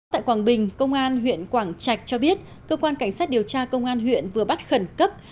tại quảng bình công an huyện quảng trạch cho biết cơ quan cảnh sát điều tra công an huyện vừa bắt khẩn cấp